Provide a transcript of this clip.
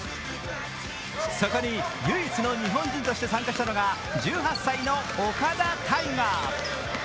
そこに唯一の日本人として参加したのが１８歳の岡田大河。